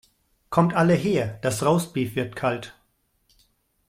Kommt alle her das Roastbeef wird kalt.